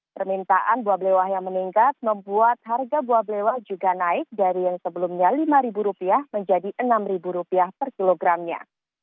permintaan buah blewah yang meningkat membuat harga buah blewah juga naik dari yang sebelumnya rp lima menjadi rp enam per kilogramnya